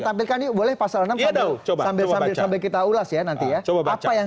sambilkan ini boleh pasal enam ya tau coba sambil sambil kita ulas ya nanti ya coba baca yang